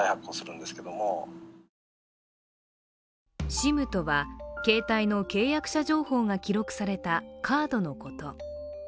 ＳＩＭとは、携帯の契約者情報が記録されたカードのこと。